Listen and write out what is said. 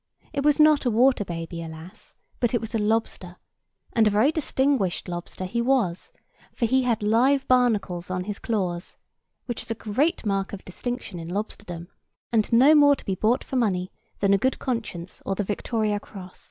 It was not a water baby, alas! but it was a lobster; and a very distinguished lobster he was; for he had live barnacles on his claws, which is a great mark of distinction in lobsterdom, and no more to be bought for money than a good conscience or the Victoria Cross.